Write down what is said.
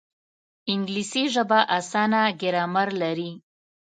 انګلیسي ژبه اسانه ګرامر لري